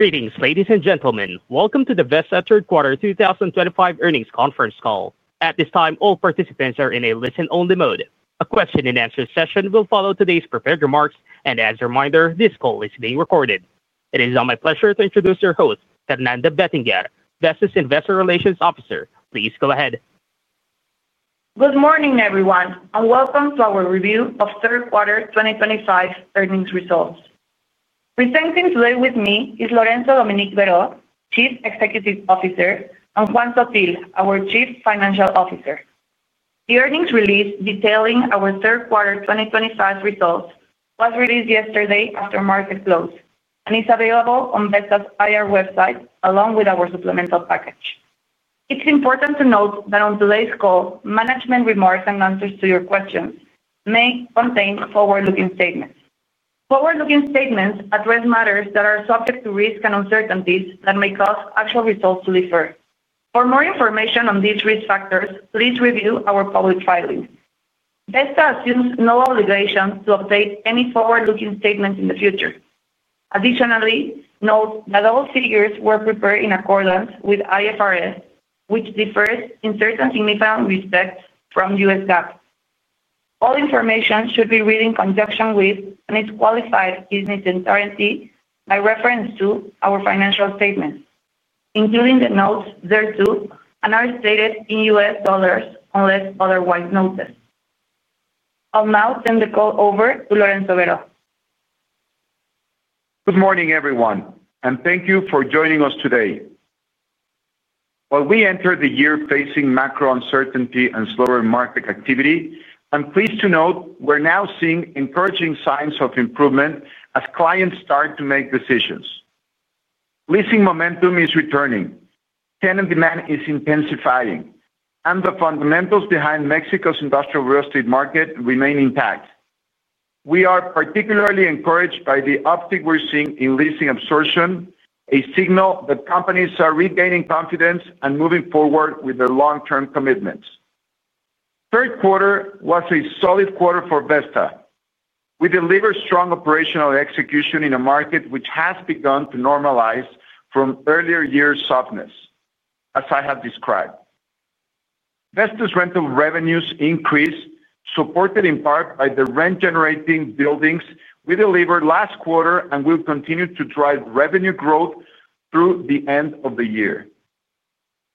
Greetings, ladies and gentlemen. Welcome to the Vesta third cuarter 2025 earnings conference Call. At this time, all participants are in a listen-only mode. A question-and-answer session will follow today's prepared remarks, and as a reminder, this call is being recorded. It is now my pleasure to introduce your host, Maria Fernanda Bettinger Davo, Vesta's Investor Relations Officer. Please go ahead. Good morning, everyone, and welcome to our review of third quarter 2025 earnings results. Presenting today with me is Lorenzo Dominique Berho, Chief Executive Officer, and Juan Achutegui, our Chief Financial Officer. The earnings release detailing our third quarter 2025 results was released yesterday after market close, and is available on Vesta's IR website along with our supplemental package. It's important to note that on today's call, management remarks and answers to your questions may contain forward-looking statements. Forward-looking statements address matters that are subject to risk and uncertainties that may cause actual results to differ. For more information on these risk factors, please review our public filings. Vesta assumes no obligation to update any forward-looking statements in the future. Additionally, note that all figures were prepared in accordance with IFRS, which differs in certain significant respects from U.S. GAAP. All information should be read in conjunction with, and is qualified in its entirety by reference to our financial statements, including the notes thereto, and are stated in U.S. dollars unless otherwise noticed. I'll now turn the call over to Lorenzo Berho. Good morning, everyone, and thank you for joining us today. While we entered the year facing macro uncertainty and slower market activity, I'm pleased to note we're now seeing encouraging signs of improvement as clients start to make decisions. Leasing momentum is returning, tenant demand is intensifying, and the fundamentals behind Mexico's industrial real estate market remain intact. We are particularly encouraged by the uptick we're seeing in leasing absorption, a signal that companies are regaining confidence and moving forward with their long-term commitments. Third quarter was a solid quarter for Vesta. We delivered strong operational execution in a market which has begun to normalize from earlier years' softness, as I have described. Vesta's rental revenues increased, supported in part by the rent-generating buildings we delivered last quarter and will continue to drive revenue growth through the end of the year.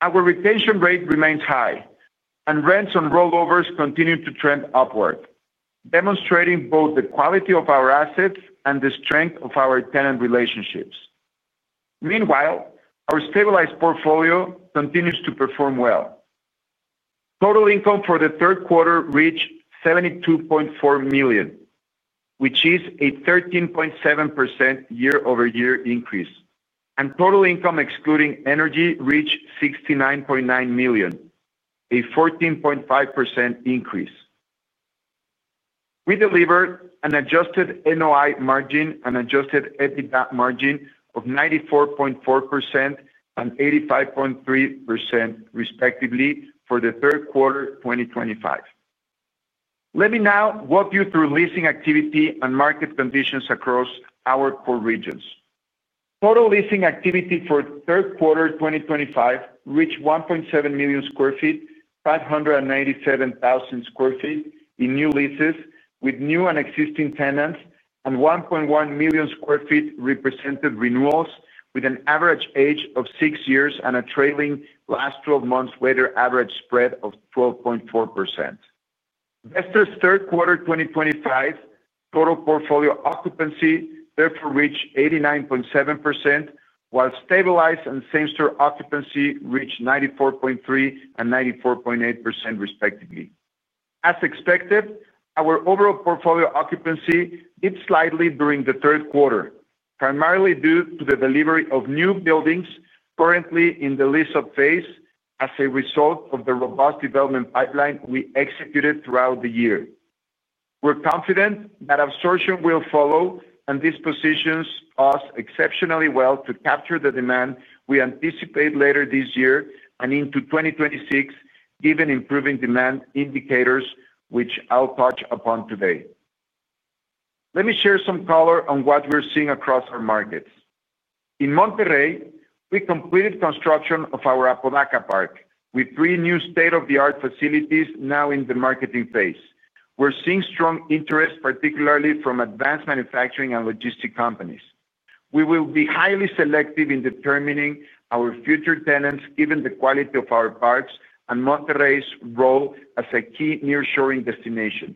Our retention rate remains high, and rents on rollovers continue to trend upward, demonstrating both the quality of our assets and the strength of our tenant relationships. Meanwhile, our stabilized portfolio continues to perform well. Total income for the third quarter reached $72.4 million, which is a 13.7% year-over-year increase, and total income excluding energy reached $69.9 million, a 14.5% increase. We delivered an adjusted NOI margin and adjusted EBITDA margin of 94.4% and 85.3% respectively for the third quarter of 2025. Let me now walk you through leasing activity and market conditions across our core regions. Total leasing activity for third quarter 2025 reached 1.7 million sq ft, 597,000 sq ft in new leases with new and existing tenants, and 1.1 million sq ft represented renewals with an average age of six years and a trailing last 12 months' weighted average spread of 12.4%. Vesta's third quarter 2025 total portfolio occupancy therefore reached 89.7%, while stabilized and same-store occupancy reached 94.3% and 94.8% respectively. As expected, our overall portfolio occupancy dipped slightly during the third quarter, primarily due to the delivery of new buildings currently in the list-up phase as a result of the robust development pipeline we executed throughout the year. We're confident that absorption will follow, and this positions us exceptionally well to capture the demand we anticipate later this year and into 2026, given improving demand indicators which I'll touch upon today. Let me share some color on what we're seeing across our markets. In Monterrey, we completed construction of our Apodaca Park with three new state-of-the-art facilities now in the marketing phase. We're seeing strong interest, particularly from advanced manufacturing and logistics companies. We will be highly selective in determining our future tenants given the quality of our parks and Monterrey's role as a key nearshoring destination.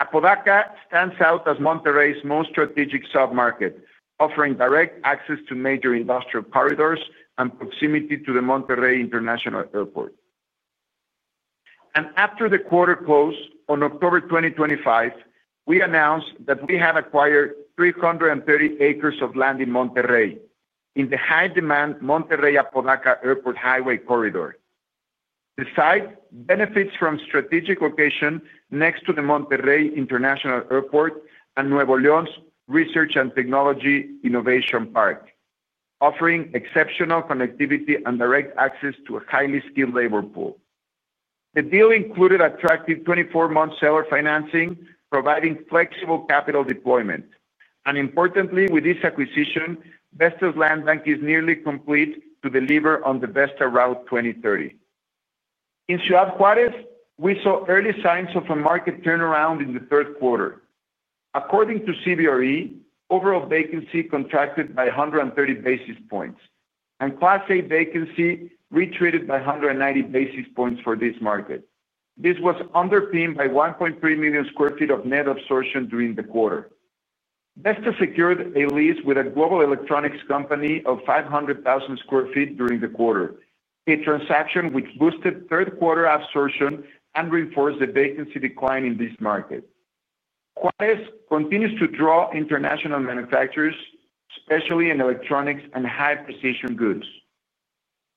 Apodaca stands out as Monterrey's most strategic submarket, offering direct access to major industrial corridors and proximity to the Monterrey International Airport. After the quarter closed on October 2025, we announced that we have acquired 330 acres of land in Monterrey in the high-demand Monterrey-Apodaca Airport Highway Corridor. The site benefits from a strategic location next to the Monterrey International Airport and Nuevo León's Research and Technology Innovation Park, offering exceptional connectivity and direct access to a highly skilled labor pool. The deal included attractive 24-month seller financing, providing flexible capital deployment. Importantly, with this acquisition, Vesta's land bank is nearly complete to deliver on the Vesta Route 2030. In Ciudad Juárez, we saw early signs of a market turnaround in the third quarter. According to CBRE, overall vacancy contracted by 130 basis points, and Class A vacancy re-traded by 190 bps for this market. This was underpinned by 1.3 million sq ft of net absorption during the quarter. Vesta secured a lease with a global electronics company of 500,000 sq ft during the quarter, a transaction which boosted third quarter absorption and reinforced the vacancy decline in this market. Juárez continues to draw international manufacturers, especially in electronics and high-precision goods.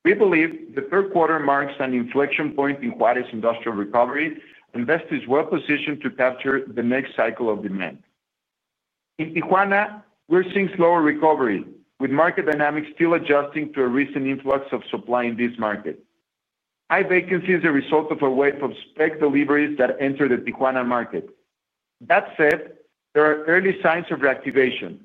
We believe the third quarter marks an inflection point in Juárez's industrial recovery, and Vesta is well-positioned to capture the next cycle of demand. In Tijuana, we're seeing slower recovery, with market dynamics still adjusting to a recent influx of supply in this market. High vacancy is a result of a wave of spec deliveries that entered the Tijuana market. That said, there are early signs of reactivation.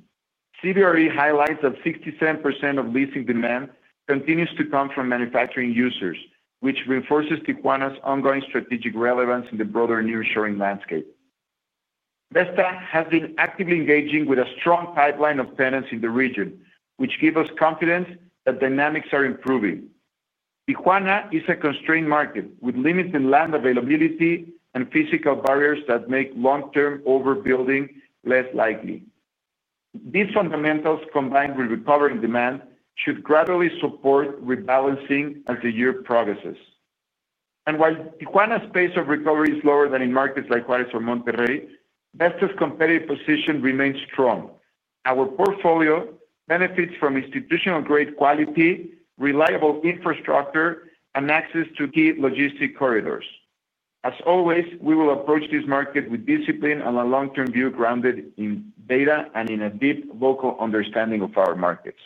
CBRE highlights that 67% of leasing demand continues to come from manufacturing users, which reinforces Tijuana's ongoing strategic relevance in the broader nearshoring landscape. Vesta has been actively engaging with a strong pipeline of tenants in the region, which gives us confidence that dynamics are improving. Tijuana is a constrained market, with limited land availability and physical barriers that make long-term overbuilding less likely. These fundamentals, combined with recovering demand, should gradually support rebalancing as the year progresses. While Tijuana's pace of recovery is slower than in markets like Ciudad Juárez or Monterrey, Vesta's competitive position remains strong. Our portfolio benefits from institutional-grade quality, reliable infrastructure, and access to key logistics corridors. As always, we will approach this market with discipline and a long-term view grounded in data and in a deep, vocal understanding of our markets.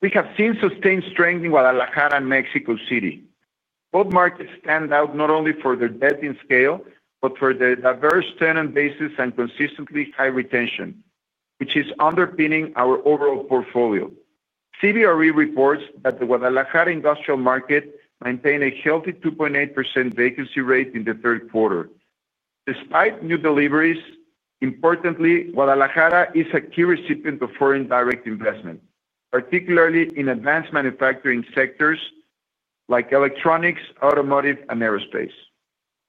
We have seen sustained strength in Guadalajara and Mexico City. Both markets stand out not only for their depth in scale but for their diverse tenant bases and consistently high retention, which is underpinning our overall portfolio. CBRE reports that the Guadalajara industrial market maintained a healthy 2.8% vacancy rate in the third quarter. Despite new deliveries, importantly, Guadalajara is a key recipient of foreign direct investment, particularly in advanced manufacturing sectors like electronics, automotive, and aerospace.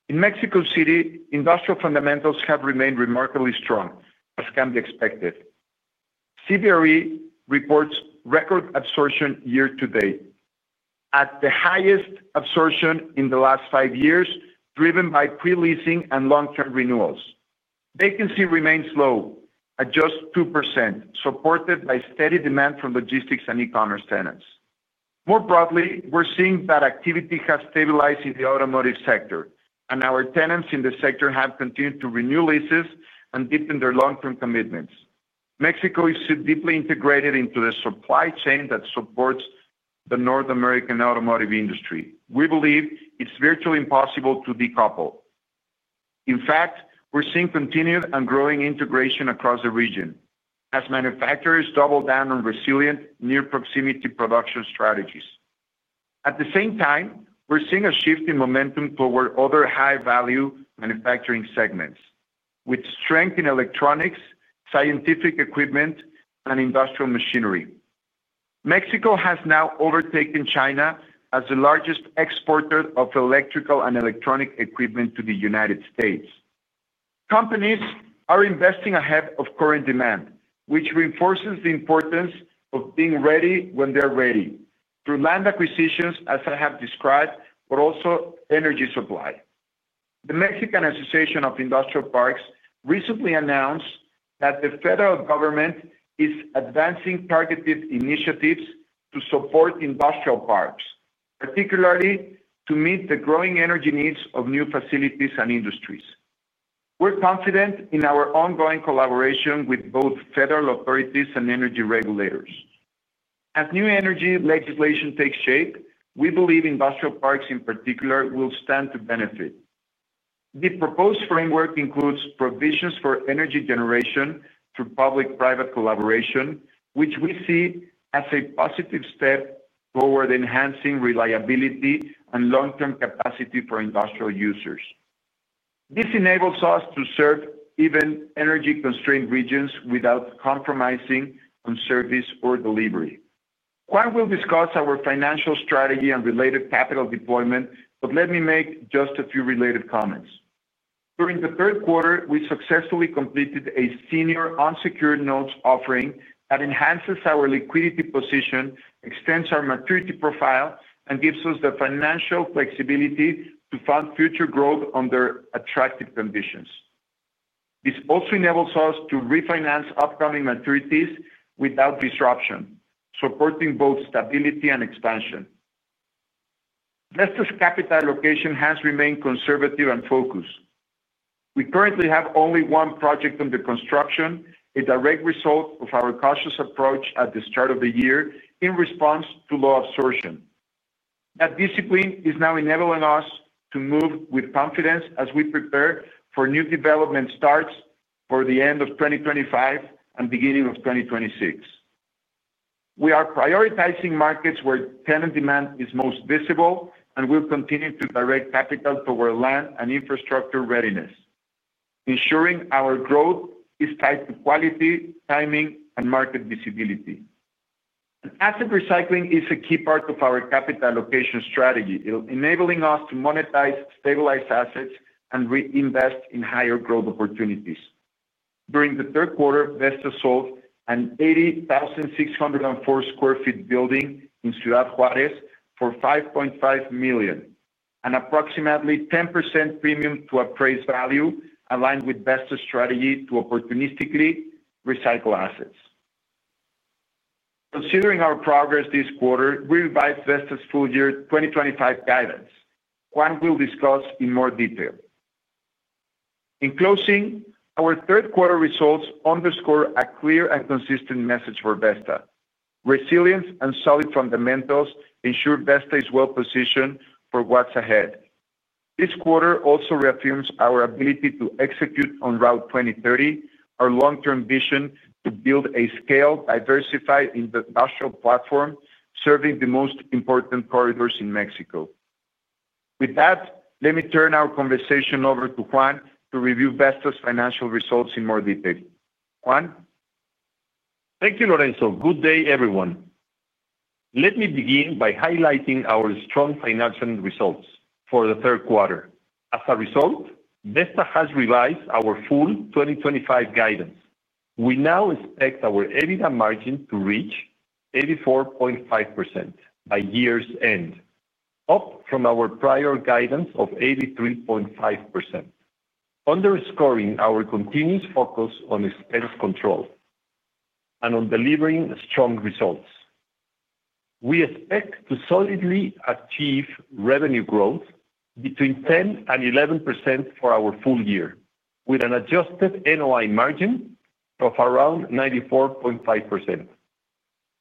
In Mexico City, industrial fundamentals have remained remarkably strong, as can be expected. CBRE reports record absorption year to date, at the highest absorption in the last five years, driven by pre-leasing and long-term renewals. Vacancy remains low, at just 2%, supported by steady demand from logistics and e-commerce tenants. More broadly, we're seeing that activity has stabilized in the automotive sector, and our tenants in the sector have continued to renew leases and deepen their long-term commitments. Mexico is deeply integrated into the supply chain that supports the North American automotive industry. We believe it's virtually impossible to decouple. In fact, we're seeing continued and growing integration across the region as manufacturers double down on resilient near-proximity production strategies. At the same time, we're seeing a shift in momentum toward other high-value manufacturing segments, with strength in electronics, scientific equipment, and industrial machinery. Mexico has now overtaken China as the largest exporter of electrical and electronic equipment to the United States. Companies are investing ahead of current demand, which reinforces the importance of being ready when they're ready through land acquisitions, as I have described, but also energy supply. The Mexican Association of Industrial Parks recently announced that the federal government is advancing targeted initiatives to support industrial parks, particularly to meet the growing energy needs of new facilities and industries. We're confident in our ongoing collaboration with both federal authorities and energy regulators. As new energy legislation takes shape, we believe industrial parks in particular will stand to benefit. The proposed framework includes provisions for energy generation through public-private collaboration, which we see as a positive step toward enhancing reliability and long-term capacity for industrial users. This enables us to serve even energy-constrained regions without compromising on service or delivery. Juan will discuss our financial strategy and related capital deployment, but let me make just a few related comments. During the third quarter, we successfully completed a senior unsecured notes offering that enhances our liquidity position, extends our maturity profile, and gives us the financial flexibility to fund future growth under attractive conditions. This also enables us to refinance upcoming maturities without disruption, supporting both stability and expansion. Vesta's capital allocation has remained conservative and focused. We currently have only one project under construction, a direct result of our cautious approach at the start of the year in response to low absorption. That discipline is now enabling us to move with confidence as we prepare for new development starts for the end of 2025 and beginning of 2026. We are prioritizing markets where tenant demand is most visible, and we'll continue to direct capital toward land and infrastructure readiness, ensuring our growth is tied to quality, timing, and market visibility. Asset recycling is a key part of our capital allocation strategy, enabling us to monetize stabilized assets and reinvest in higher growth opportunities. During the third quarter, Vesta sold an 80,604 sq ft building in Ciudad Juárez for $5.5 million, an approximately 10% premium to appraised value aligned with Vesta's strategy to opportunistically recycle assets. Considering our progress this quarter, we revise Vesta's full-year 2025 guidance. Juan will discuss in more detail. In closing, our third quarter results underscore a clear and consistent message for Vesta. Resilience and solid fundamentals ensure Vesta is well-positioned for what's ahead. This quarter also reaffirms our ability to execute on Route 2030, our long-term vision to build a scaled, diversified industrial platform serving the most important corridors in Mexico. With that, let me turn our conversation over to Juan to review Vesta's financial results in more detail. Juan? Thank you, Lorenzo. Good day, everyone. Let me begin by highlighting our strong financial results for the third quarter. As a result, Vesta has revised our full 2025 guidance. We now expect our EBITDA margin to reach 84.5% by year's end, up from our prior guidance of 83.5%, underscoring our continuous focus on expense control and on delivering strong results. We expect to solidly achieve revenue growth between 10% and 11% for our full year, with an adjusted NOI margin of around 94.5%.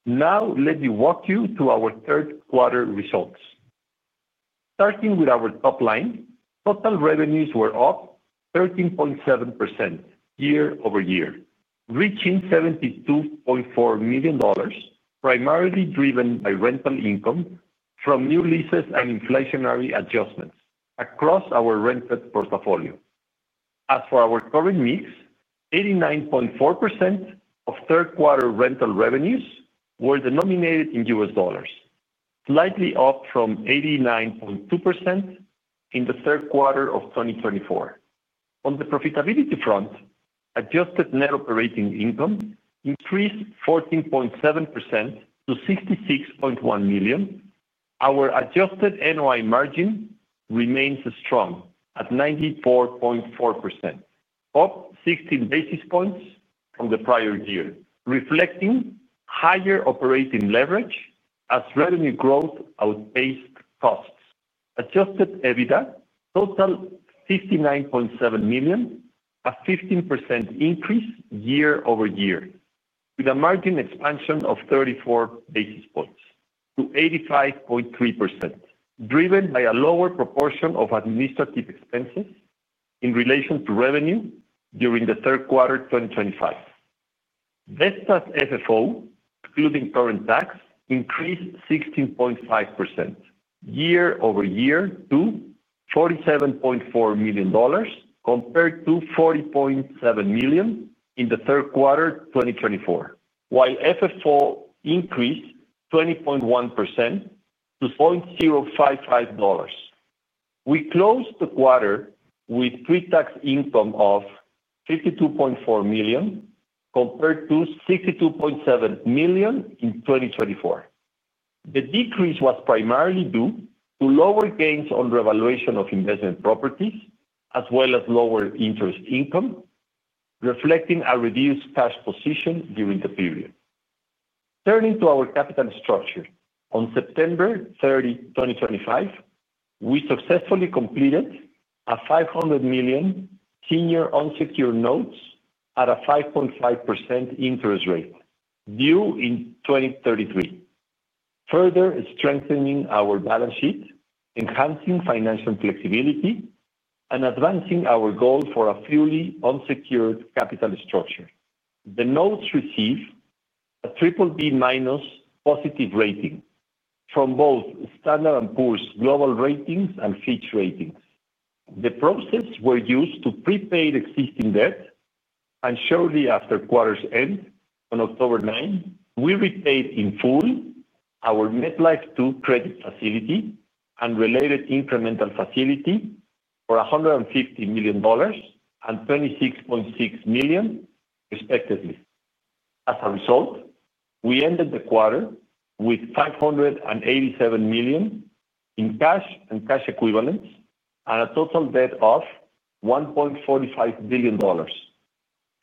Now, let me walk you through our third quarter results. Starting with our top line, total revenues were up 13.7% year-over-year, reaching $72.4 million, primarily driven by rental income from new leases and inflationary adjustments across our rented portfolio. As for our current mix, 89.4% of third quarter rental revenues were denominated in U.S. dollars, slightly up from 89.2% in the third quarter of 2024. On the profitability front, adjusted net operating income increased 14.7% to $66.1 million. Our adjusted NOI margin remains strong at 94.4%, up 16 basis points from the prior year, reflecting higher operating leverage as revenue growth outpaced costs. Adjusted EBITDA totaled $59.7 million, a 15% increase year-over-year, with a margin expansion of 34 basis points to 85.3%, driven by a lower proportion of administrative expenses in relation to revenue during the third quarter of 2025. Vesta's FFO, including current tax, increased 16.5% year-over-year to $47.4 million compared to $40.7 million in the third quarter of 2024, while FFO increased 20.1% to $0.055. We closed the quarter with pre-tax income of $52.4 million compared to $62.7 million in 2024. The decrease was primarily due to lower gains on revaluation of investment properties, as well as lower interest income, reflecting a reduced cash position during the period. Turning to our capital structure, on September 30, 2025, we successfully completed a $500 million senior unsecured notes at a 5.5% interest rate due in 2033, further strengthening our balance sheet, enhancing financial flexibility, and advancing our goal for a purely unsecured capital structure. The notes receive a BBB- positive rating from both Standard & Poor's Global Ratings and Fitch Ratings. The proceeds were used to prepay existing debt, and shortly after quarter's end on October 9, we repaid in full our MetLife II credit facility and related incremental facility for $150 million and $26.6 million, respectively. As a result, we ended the quarter with $587 million in cash and cash equivalents and a total debt of $1.45 billion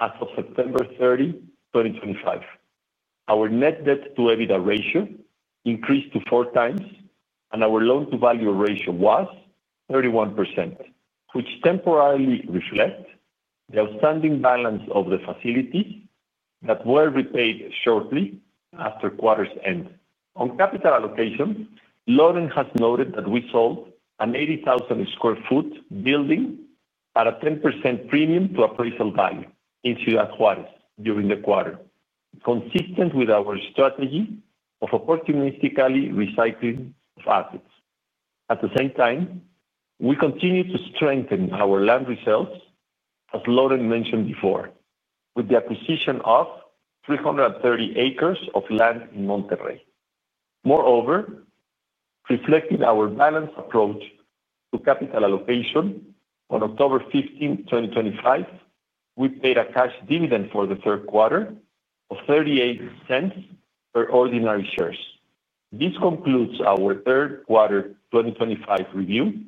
as of September 30, 2025. Our net debt-to-EBITDA ratio increased to 4x, and our loan-to-value ratio was 31%, which temporarily reflects the outstanding balance of the facilities that were repaid shortly after quarter's end. On capital allocation, Lorenzo has noted that we sold an 80,000 sq ft building at a 10% premium to appraised value in Ciudad Juárez during the quarter, consistent with our strategy of opportunistically recycling of assets. At the same time, we continue to strengthen our land reserves, as Lorenzo mentioned before, with the acquisition of 330 acres of land in Monterrey. Moreover, reflecting our balanced approach to capital allocation, on October 15, 2025, we paid a cash dividend for the third quarter of $0.38 per ordinary share. This concludes our third quarter 2025 review.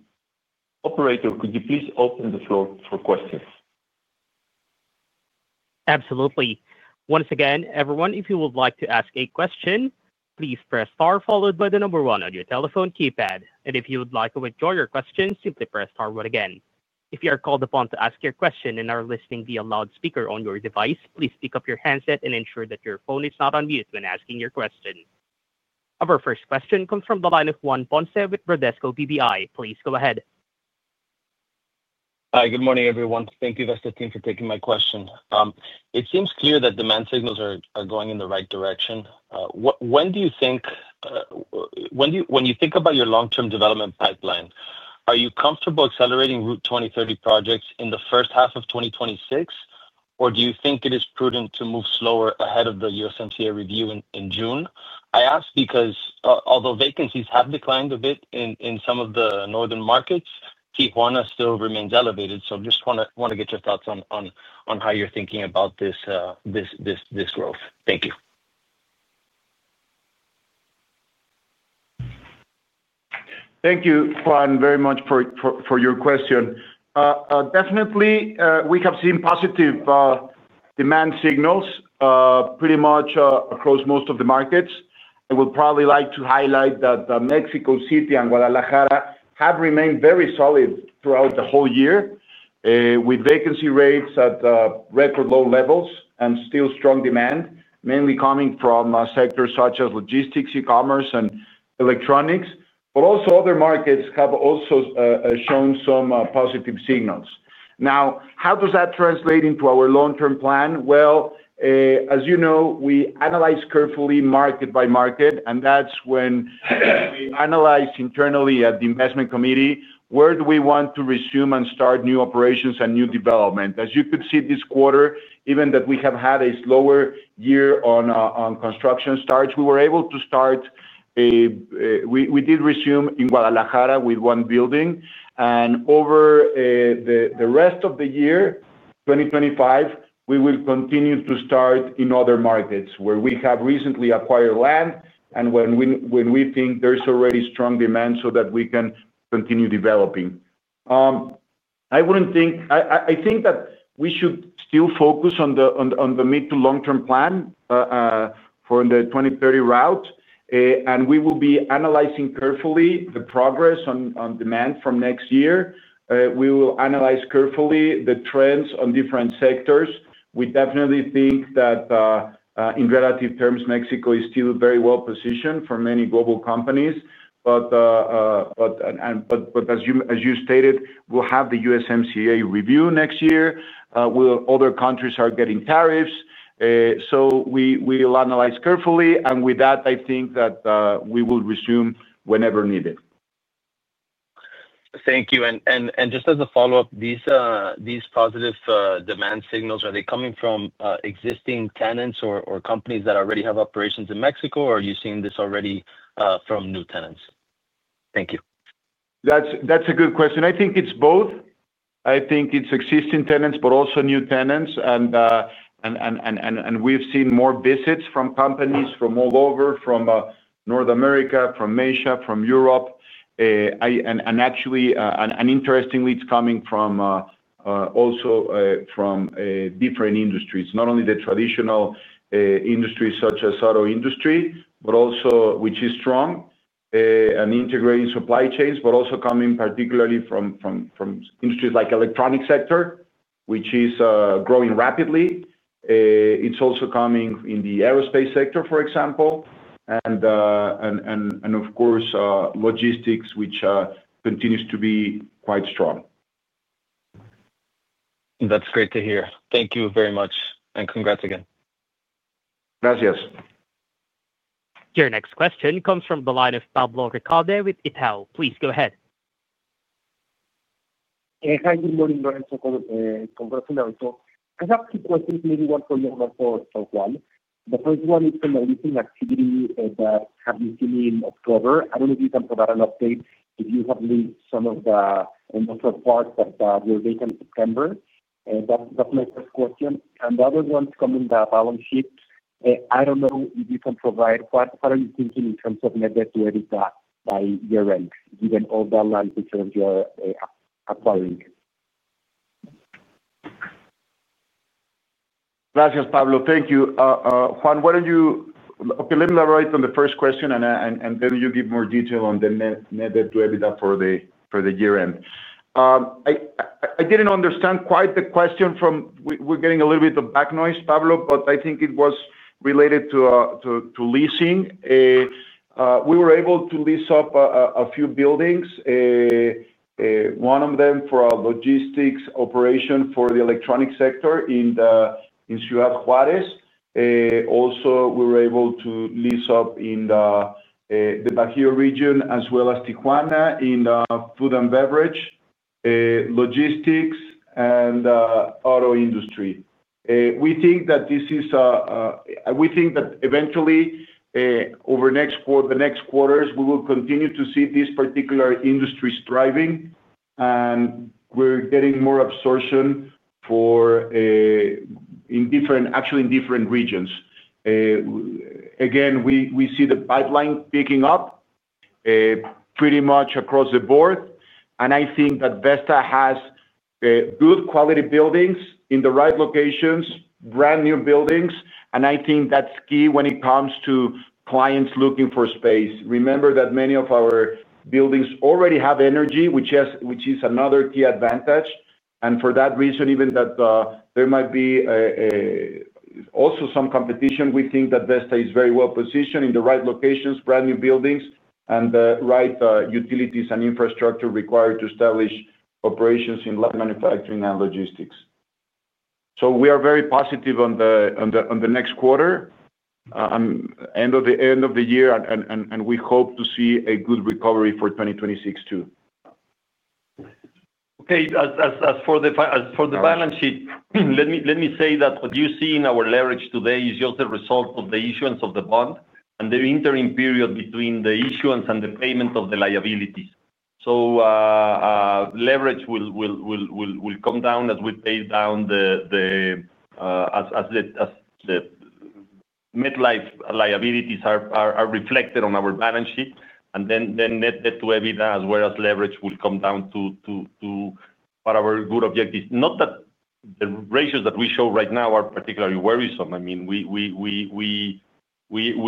Operator, could you please open the floor for questions? Absolutely. Once again, everyone, if you would like to ask a question, please press star followed by the number one on your telephone keypad. If you would like to withdraw your question, simply press star one again. If you are called upon to ask your question and are listening via loudspeaker on your device, please pick up your handset and ensure that your phone is not unmuted when asking your question. Our first question comes from the line of Juan Fonte with Bradesco BBI. Please go ahead. Hi, good morning, everyone. Thank you, Vesta team, for taking my question. It seems clear that demand signals are going in the right direction. When you think about your long-term development pipeline, are you comfortable accelerating Route 2030 projects in the first half of 2026, or do you think it is prudent to move slower ahead of the USMCA review in June? I ask because although vacancies have declined a bit in some of the northern markets, Tijuana still remains elevated. I just want to get your thoughts on how you're thinking about this growth. Thank you. Thank you, Juan, very much for your question. Definitely, we have seen positive demand signals pretty much across most of the markets. I would probably like to highlight that Mexico City and Guadalajara have remained very solid throughout the whole year, with vacancy rates at record low levels and still strong demand, mainly coming from sectors such as logistics, e-commerce, and electronics. Also, other markets have shown some positive signals. Now, how does that translate into our long-term plan? As you know, we analyze carefully market by market, and that's when we analyze internally at the investment committee where we want to resume and start new operations and new development. As you could see this quarter, given that we have had a slower year on construction starts, we were able to start, we did resume in Guadalajara with one building. Over the rest of the year 2025, we will continue to start in other markets where we have recently acquired land and when we think there's already strong demand so that we can continue developing. I think that we should still focus on the mid to long-term plan for the Route 2030 growth strategy, and we will be analyzing carefully the progress on demand from next year. We will analyze carefully the trends on different sectors. We definitely think that in relative terms, Mexico is still very well positioned for many global companies. As you stated, we'll have the USMCA review next year where other countries are getting tariffs. We will analyze carefully, and with that, I think that we will resume whenever needed. Thank you. Just as a follow-up, these positive demand signals, are they coming from existing tenants or companies that already have operations in Mexico, or are you seeing this already from new tenants? Thank you. That's a good question. I think it's both. I think it's existing tenants, but also new tenants. We've seen more visits from companies from all over, from North America, from Asia, from Europe. Actually, interestingly, it's coming also from different industries, not only the traditional industries such as the auto industry, which is strong and integrating supply chains, but also particularly from industries like the electronics sector, which is growing rapidly. It's also coming in the aerospace sector, for example, and of course, logistics, which continues to be quite strong. That's great to hear. Thank you very much, and congrats again. Gracias. Your next question comes from the line of Pablo Ricalde with Itaú. Please go ahead. Hi. Good morning, Lorenzo. Congrats on the outcome. I have two questions, maybe one for you and one for Juan. The first one is on the leasing activity that we've seen in October. I don't know if you can provide an update if you have linked some of the industrial parks that were vacant in September. That's my first question. The other one's coming about balance sheet. I don't know if you can provide what are you thinking in terms of net debt to EBITDA by year-end, given all the land returns you're acquiring? Gracias, Pablo. Thank you. Juan, why don't you let me elaborate on the first question, and then you give more detail on the net debt to EBITDA for the year-end. I didn't understand quite the question from—we're getting a little bit of back noise, Pablo, but I think it was related to leasing. We were able to lease up a few buildings, one of them for a logistics operation for the electronics sector in Ciudad Juárez. Also, we were able to lease up in the Bajía region, as well as Tijuana, in food and beverage, logistics, and auto industry. We think that this is—we think that eventually, over the next quarters, we will continue to see these particular industries thriving, and we're getting more absorption in different, actually, in different regions. Again, we see the pipeline picking up pretty much across the board. I think that Vesta has good quality buildings in the right locations, brand new buildings, and I think that's key when it comes to clients looking for space. Remember that many of our buildings already have energy, which is another key advantage. For that reason, even though there might be also some competition, we think that Vesta is very well positioned in the right locations, brand new buildings, and the right utilities and infrastructure required to establish operations in land manufacturing and logistics. We are very positive on the next quarter, end of the year, and we hope to see a good recovery for 2026 too. As for the balance sheet, let me say that what you see in our leverage today is just a result of the issuance of the bond and the interim period between the issuance and the payment of the liabilities. Leverage will come down as we pay down the MetLife liabilities that are reflected on our balance sheet, and then net debt to EBITDA, as well as leverage, will come down to whatever good objectives. Not that the ratios that we show right now are particularly worrisome. I mean, we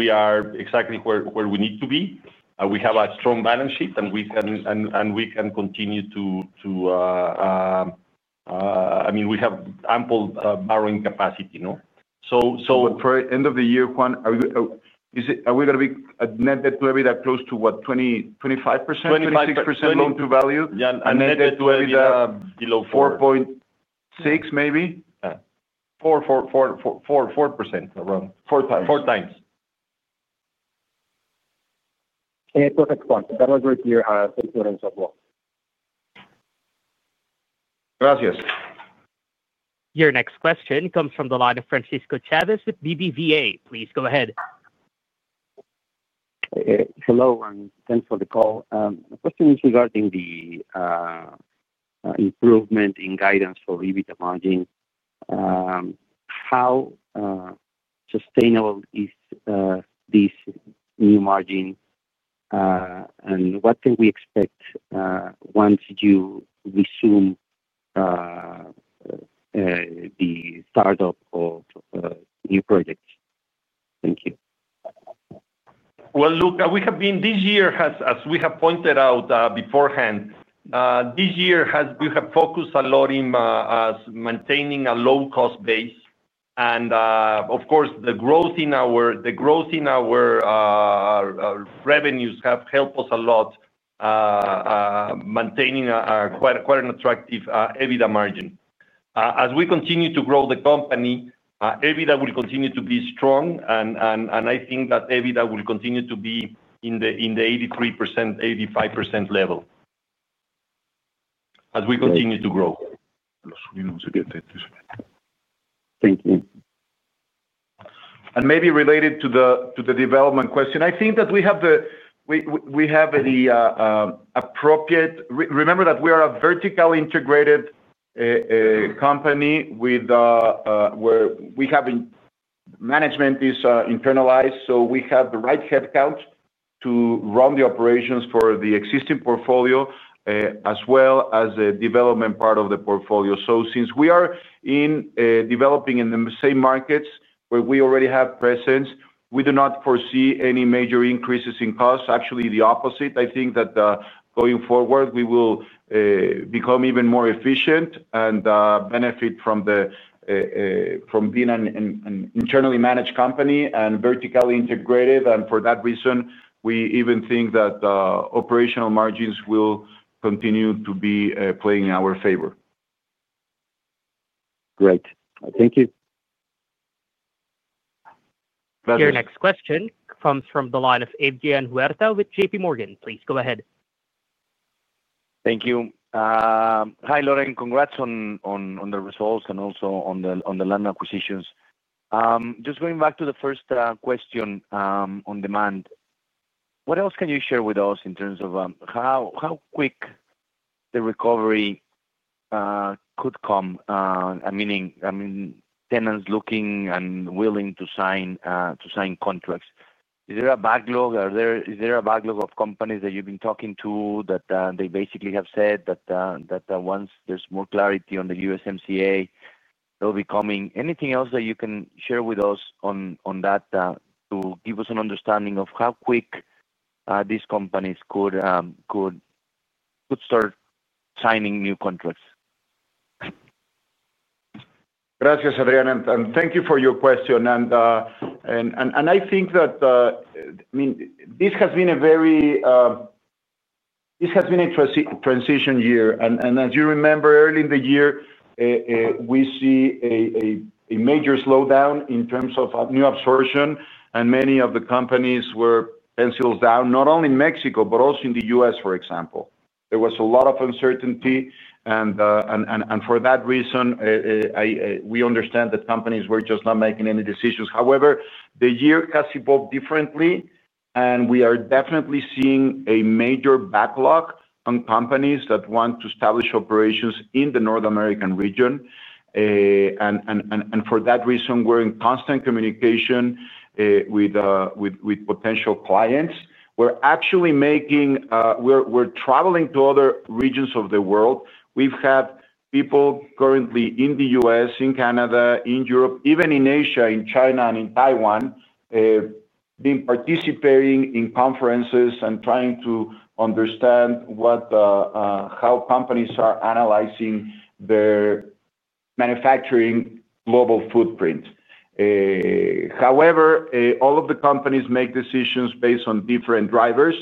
are exactly where we need to be. We have a strong balance sheet, and we can continue to—I mean, we have ample borrowing capacity, no? For the end of the year, Juan, are we going to be at net debt to EBITDA close to, what, 25%? 25%. 26% loan-to-value? Yeah, net debt to EBITDA below 4.6, maybe? Yeah, 4% around. 4x. Perfect, Juan. That was very clear. Thank you, Lorenzo, as well. Gracias. Your next question comes from the line of Francisco Chaves with BBVA. Please go ahead. Hello, and thanks for the call. The question is regarding the improvement in guidance for EBITDA margins. How sustainable is this new margin, and what can we expect once you resume the startup of new projects? Thank you. We have been, as we have pointed out beforehand, this year has been a focus a lot in maintaining a low-cost base. Of course, the growth in our revenues has helped us a lot in maintaining quite an attractive EBITDA margin. As we continue to grow the company, EBITDA will continue to be strong, and I think that EBITDA will continue to be in the 83%, 85% level as we continue to grow. Thank you. Maybe related to the development question, I think that we have the appropriate, remember that we are a vertically integrated company where we have management internalized, so we have the right headcount to run the operations for the existing portfolio as well as the development part of the portfolio. Since we are developing in the same markets where we already have presence, we do not foresee any major increases in costs. Actually, the opposite. I think that going forward, we will become even more efficient and benefit from being an internally managed company and vertically integrated. For that reason, we even think that operational margins will continue to be playing in our favor. Great. Thank you. Your next question comes from the line of Adrian Huerta with JPMorgan. Please go ahead. Thank you. Hi, Loren. Congrats on the results and also on the land acquisitions. Just going back to the first question on demand, what else can you share with us in terms of how quick the recovery could come? I mean, tenants looking and willing to sign contracts. Is there a backlog? Is there a backlog of companies that you've been talking to that they basically have said that once there's more clarity on the USMCA, they'll be coming? Anything else that you can share with us on that to give us an understanding of how quick these companies could start signing new contracts? Gracias, Adrian. Thank you for your question. I think that this has been a transition year. As you remember, early in the year, we see a major slowdown in terms of new absorption, and many of the companies were pencils down, not only in Mexico, but also in the U.S., for example. There was a lot of uncertainty. For that reason, we understand that companies were just not making any decisions. However, the year has evolved differently, and we are definitely seeing a major backlog on companies that want to establish operations in the North American region. For that reason, we're in constant communication with potential clients. We're actually traveling to other regions of the world. We've had people currently in the U.S., in Canada, in Europe, even in Asia, in China, and in Taiwan participating in conferences and trying to understand how companies are analyzing their manufacturing global footprint. However, all of the companies make decisions based on different drivers.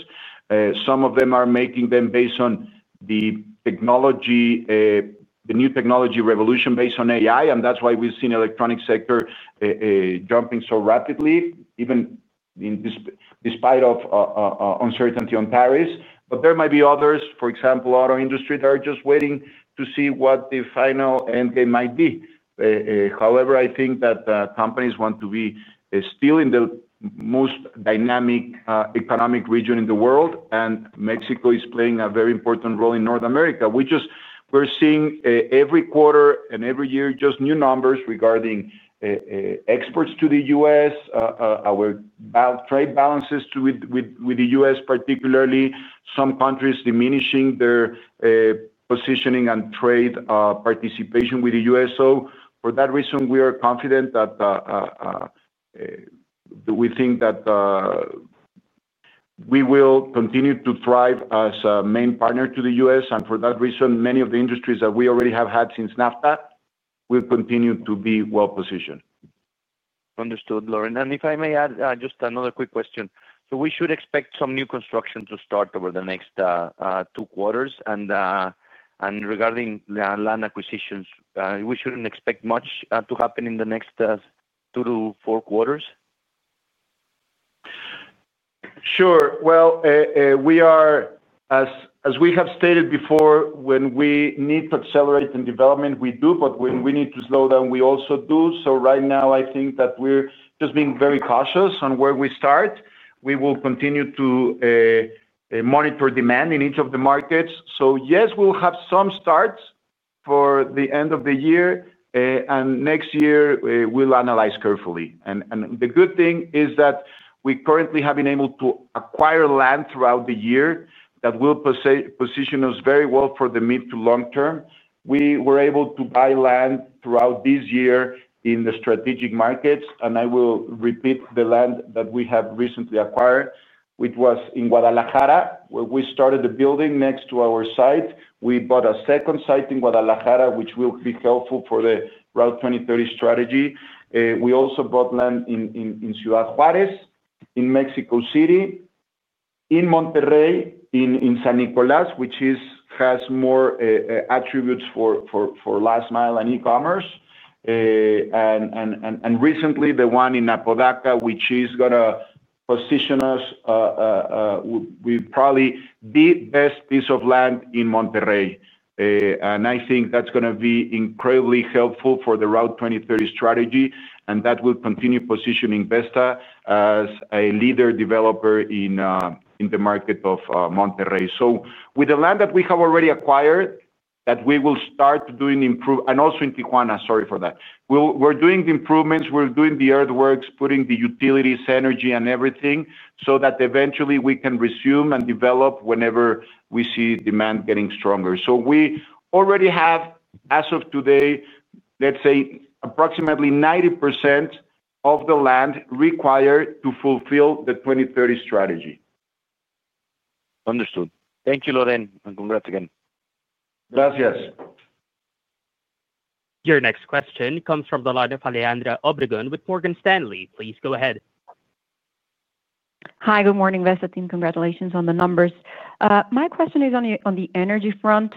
Some of them are making them based on the technology, the new technology revolution based on AI, and that's why we've seen the electronics sector jumping so rapidly, even despite uncertainty on tariffs. There might be others, for example, auto industry, that are just waiting to see what the final endgame might be. I think that companies want to be still in the most dynamic economic region in the world, and Mexico is playing a very important role in North America. We're seeing every quarter and every year just new numbers regarding exports to the U.S., our trade balances with the U.S., particularly some countries diminishing their positioning and trade participation with the U.S. For that reason, we are confident that we think that we will continue to thrive as a main partner to the U.S. Many of the industries that we already have had since NAFTA will continue to be well positioned. Understood, Loren. If I may add just another quick question, we should expect some new construction to start over the next two quarters. Regarding land acquisitions, we shouldn't expect much to happen in the next two to four quarters? Sure. We are, as we have stated before, when we need to accelerate in development, we do. When we need to slow down, we also do. Right now, I think that we're just being very cautious on where we start. We will continue to monitor demand in each of the markets. Yes, we'll have some starts for the end of the year, and next year, we'll analyze carefully. The good thing is that we currently have been able to acquire land throughout the year that will position us very well for the mid to long term. We were able to buy land throughout this year in the strategic markets. I will repeat the land that we have recently acquired, which was in Guadalajara, where we started the building next to our site. We bought a second site in Guadalajara, which will be helpful for the Route 2030 growth strategy. We also bought land in Ciudad Juárez, in Mexico City, in Monterrey, in San Nicolás, which has more attributes for last mile and e-commerce. Recently, the one in Apodaca, which is going to position us with probably the best piece of land in Monterrey. I think that's going to be incredibly helpful for the Route 2030 growth strategy, and that will continue positioning Vesta as a leader developer in the market of Monterrey. With the land that we have already acquired, we will start doing improvements, and also in Tijuana, sorry for that. We're doing the improvements. We're doing the earthworks, putting the utilities, energy, and everything so that eventually we can resume and develop whenever we see demand getting stronger. We already have, as of today, let's say approximately 90% of the land required to fulfill the 2030 strategy. Understood. Thank you, Lorenzo, and congrats again. Gracias. Your next question comes from the line of Alejandra Obregon Martinez with Morgan Stanley. Please go ahead. Hi. Good morning, Vesta team. Congratulations on the numbers. My question is on the energy front.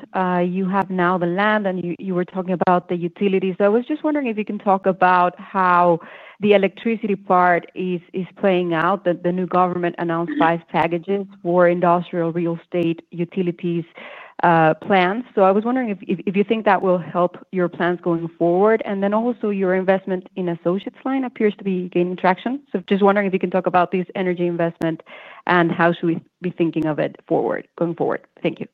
You have now the land, and you were talking about the utilities. I was just wondering if you can talk about how the electricity part is playing out. The new government announced five packages for industrial real estate utilities plans. I was wondering if you think that will help your plans going forward. Also, your investment in Associates Line appears to be gaining traction. Just wondering if you can talk about this energy investment and how should we be thinking of it going forward. Thank you.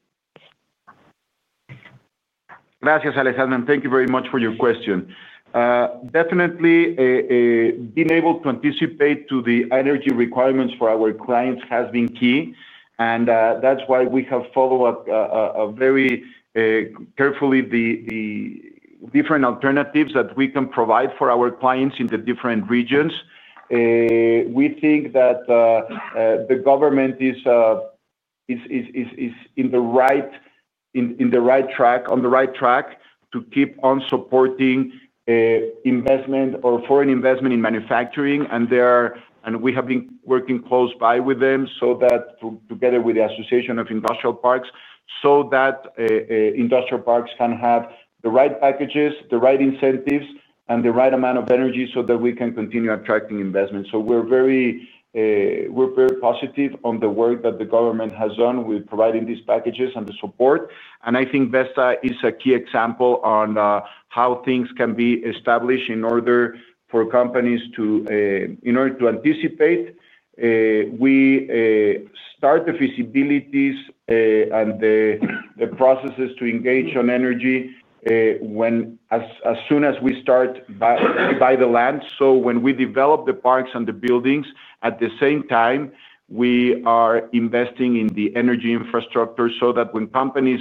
Gracias, Alessandra. Thank you very much for your question. Definitely, being able to anticipate the energy requirements for our clients has been key. That's why we have followed up very carefully the different alternatives that we can provide for our clients in the different regions. We think that the government is on the right track to keep on supporting investment or foreign investment in manufacturing. We have been working close by with them together with the Association of Industrial Parks so that industrial parks can have the right packages, the right incentives, and the right amount of energy so that we can continue attracting investments. We are very positive on the work that the government has done with providing these packages and the support. I think Vesta is a key example on how things can be established in order for companies to, in order to anticipate. We start the feasibilities and the processes to engage on energy as soon as we start buying the land. When we develop the parks and the buildings, at the same time, we are investing in the energy infrastructure so that when companies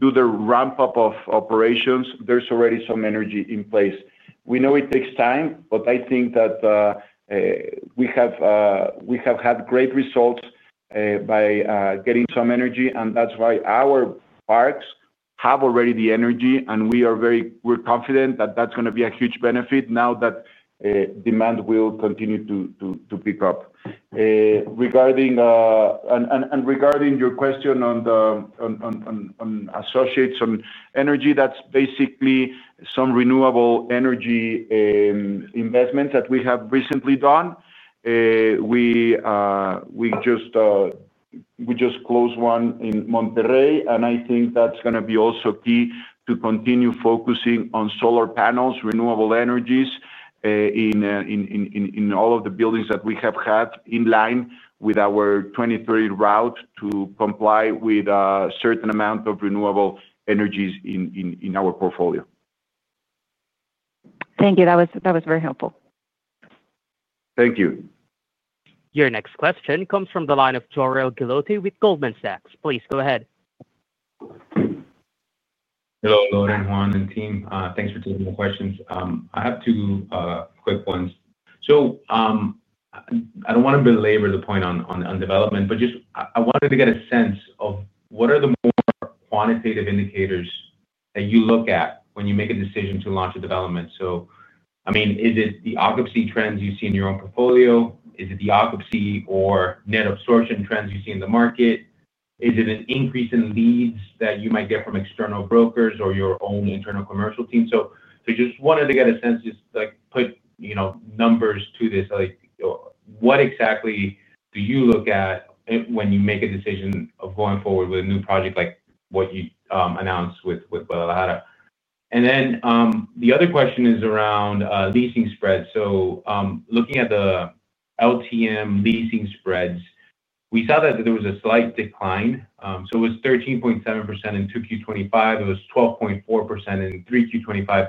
do the ramp-up of operations, there's already some energy in place. We know it takes time, but I think that we have had great results by getting some energy. That's why our parks have already the energy, and we are very, we're confident that that's going to be a huge benefit now that demand will continue to pick up. Regarding your question on Associates on Energy, that's basically some renewable energy investments that we have recently done. We just closed one in Monterrey, and I think that's going to be also key to continue focusing on solar panels, renewable energies in all of the buildings that we have had in line with our Route 2030 growth strategy to comply with a certain amount of renewable energies in our portfolio. Thank you. That was very helpful. Thank you. Your next question comes from the line of Wilfredo Jorel Guilloty with Goldman Sachs. Please go ahead. Hello, Loren, Juan, and team. Thanks for taking the questions. I have two quick ones. I don't want to belabor the point on development, but I wanted to get a sense of what are the more quantitative indicators that you look at when you make a decision to launch a development. I mean, is it the occupancy trends you see in your own portfolio? Is it the occupancy or net absorption trends you see in the market? Is it an increase in leads that you might get from external brokers or your own internal commercial team? I just wanted to get a sense, just like put, you know, numbers to this. What exactly do you look at when you make a decision of going forward with a new project like what you announced with Guadalajara? The other question is around leasing spreads. Looking at the LTM leasing spreads, we saw that there was a slight decline. It was 13.7% in Q2 2025. It was 12.4% in Q2 2025.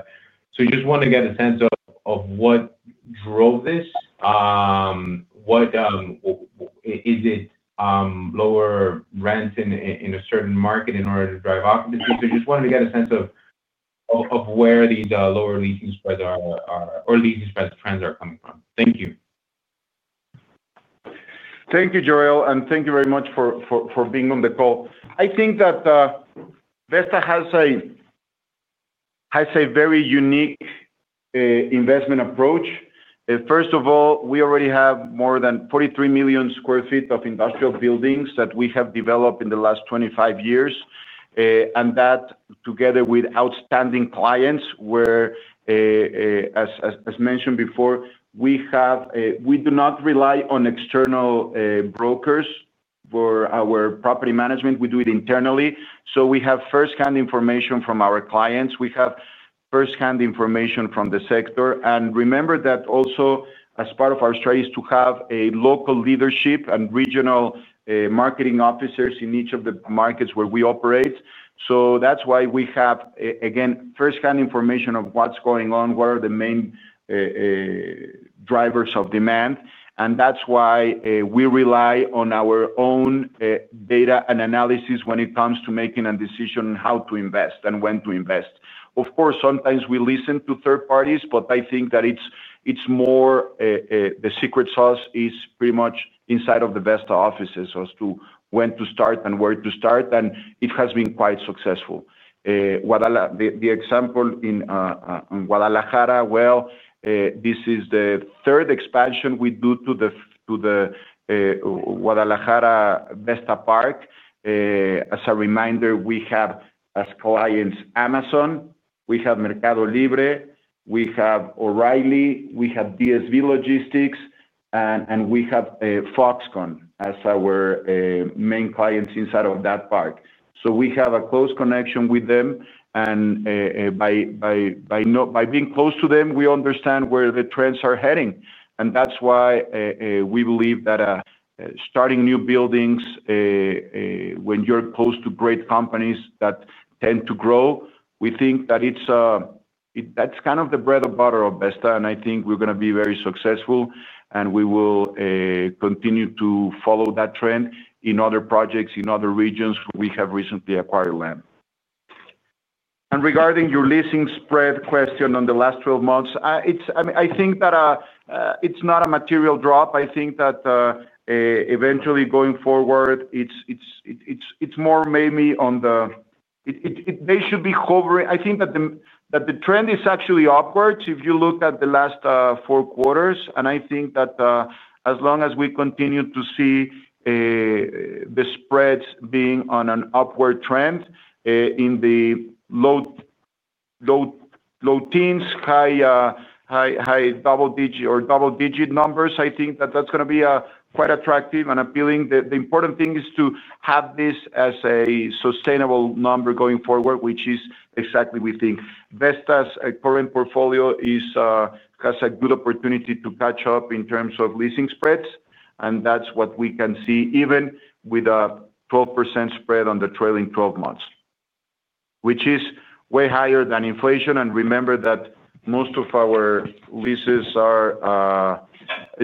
I just wanted to get a sense of what drove this. Is it lower rent in a certain market in order to drive occupancy? I just wanted to get a sense of where these lower leasing spreads are or leasing trends are coming from. Thank you. Thank you, Jorel, and thank you very much for being on the call. I think that Vesta has a very unique investment approach. First of all, we already have more than 43 million sq ft of industrial buildings that we have developed in the last 25 years. That, together with outstanding clients, where, as mentioned before, we do not rely on external brokers for our property management. We do it internally. We have firsthand information from our clients. We have firsthand information from the sector. Remember that also, as part of our strategy, is to have local leadership and regional marketing officers in each of the markets where we operate. That is why we have, again, firsthand information of what's going on, what are the main drivers of demand. That is why we rely on our own data and analysis when it comes to making a decision on how to invest and when to invest. Of course, sometimes we listen to third parties, but I think that it's more the secret sauce is pretty much inside of the Vesta offices as to when to start and where to start. It has been quite successful. The example in Guadalajara, this is the third expansion we do to the Guadalajara Vesta Park. As a reminder, we have, as clients, Amazon, we have Mercado Libre, we have O'Reilly, we have DSV Logistics, and we have Foxconn as our main clients inside of that park. We have a close connection with them. By being close to them, we understand where the trends are heading. That is why we believe that starting new buildings when you're close to great companies that tend to grow, we think that it's kind of the bread and butter of Vesta. I think we're going to be very successful, and we will continue to follow that trend in other projects in other regions where we have recently acquired land. Regarding your leasing spread question on the last 12 months, I think that it's not a material drop. I think that eventually going forward, it's more maybe on the they should be hovering. I think that the trend is actually upwards if you look at the last four quarters. I think that as long as we continue to see the spreads being on an upward trend in the low teens, high double-digit or double-digit numbers, I think that that's going to be quite attractive and appealing. The important thing is to have this as a sustainable number going forward, which is exactly we think Vesta's current portfolio has a good opportunity to catch up in terms of leasing spreads. That is what we can see even with a 12% spread on the trailing 12 months, which is way higher than inflation. Remember that most of our leases are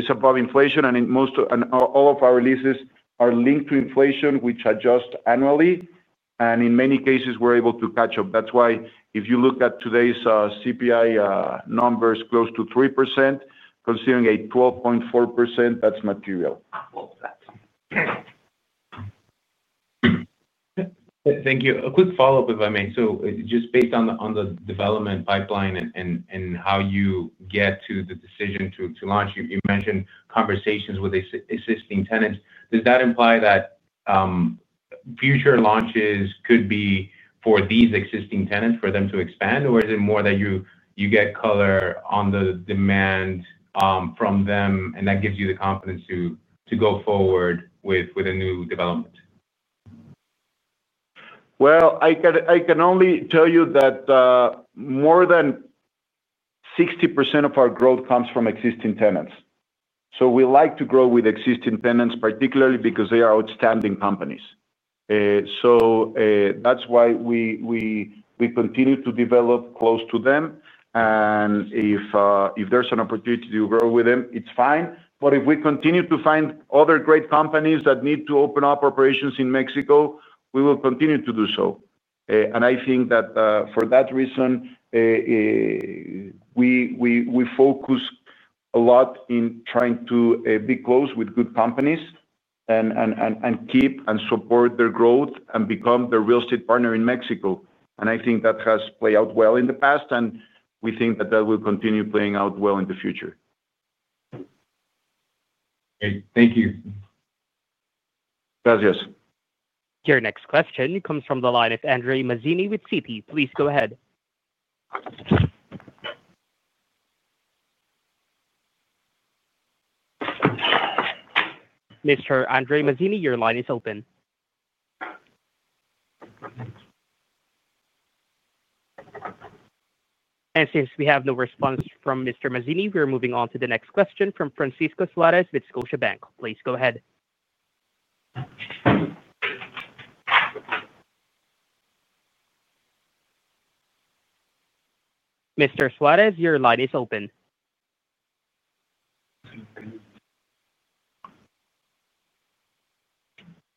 above inflation, and all of our leases are linked to inflation, which adjusts annually. In many cases, we're able to catch up. That is why if you look at today's CPI numbers, close to 3%, considering a 12.4%, that's material. Thank you. A quick follow-up, if I may. Based on the development pipeline and how you get to the decision to launch, you mentioned conversations with the existing tenants. Does that imply that future launches could be for these existing tenants for them to expand, or is it more that you get color on the demand from them, and that gives you the confidence to go forward with a new development? I can only tell you that more than 60% of our growth comes from existing tenants. We like to grow with existing tenants, particularly because they are outstanding companies. That's why we continue to develop close to them. If there's an opportunity to grow with them, it's fine. If we continue to find other great companies that need to open up operations in Mexico, we will continue to do so. I think that for that reason, we focus a lot in trying to be close with good companies and keep and support their growth and become their real estate partner in Mexico. I think that has played out well in the past, and we think that will continue playing out well in the future. Great. Thank you. Gracias. Your next question comes from the line of Andre Mazini with CP. Please go ahead. Mr. Andre Mazini, your line is open. Since we have no response from Mr. Mazini, we're moving on to the next question from Francisco Suárez with Scotiabank. Please go ahead. Mr. Suárez, your line is open.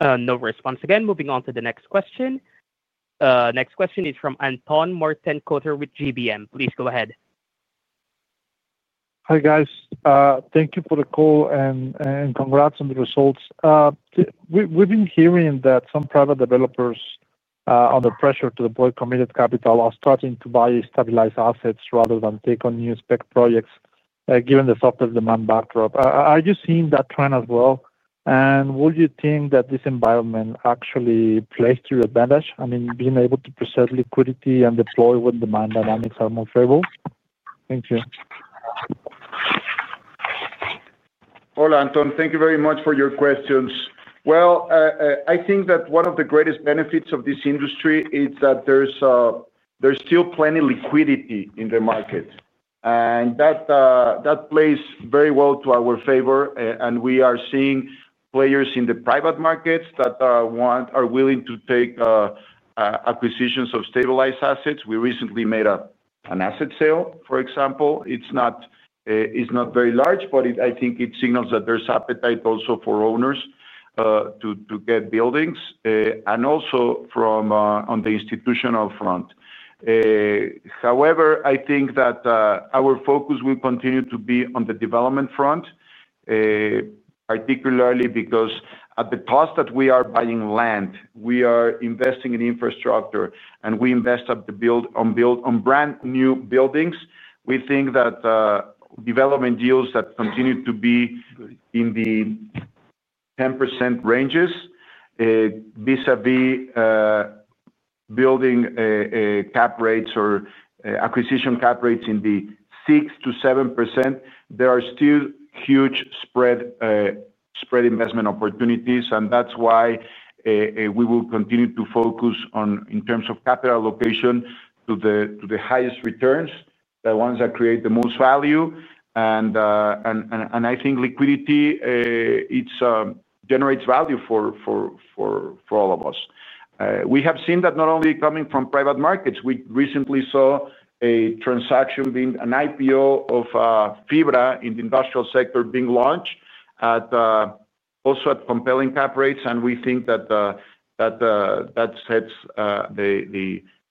No response again. Moving on to the next question. Next question is from Anton Mortenkota with GBM. Please go ahead. Hi, guys. Thank you for the call and congrats on the results. We've been hearing that some private developers under pressure to deploy committed capital are starting to buy stabilized assets rather than take on new spec projects given the softer demand backdrop. Are you seeing that trend as well? Would you think that this environment actually plays to your advantage? I mean, being able to preserve liquidity and deploy when demand dynamics are more favorable? Thank you. Hola, Anton. Thank you very much for your questions. I think that one of the greatest benefits of this industry is that there's still plenty of liquidity in the market. That plays very well to our favor. We are seeing players in the private markets that are willing to take acquisitions of stabilized assets. We recently made an asset sale, for example. It's not very large, but I think it signals that there's appetite also for owners to get buildings and also on the institutional front. I think that our focus will continue to be on the development front, particularly because at the cost that we are buying land, we are investing in infrastructure, and we invest on brand new buildings. We think that development deals that continue to be in the 10% ranges, vis-à-vis building cap rates or acquisition cap rates in the 6%-7%, there are still huge spread investment opportunities. That's why we will continue to focus on, in terms of capital allocation, to the highest returns, the ones that create the most value. I think liquidity generates value for all of us. We have seen that not only coming from private markets. We recently saw a transaction being an IPO of Fibra in the industrial sector being launched also at compelling cap rates. We think that